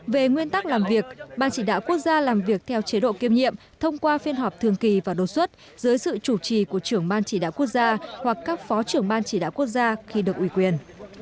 về nguyên tắc làm việc ban chỉ đạo quốc gia làm việc theo chế độ kiêm nhiệm thông qua phiên họp thường kỳ và đột xuất dưới sự chủ trì của trưởng ban chỉ đạo quốc gia hoặc các phó trưởng ban chỉ đạo quốc gia khi được ủy quyền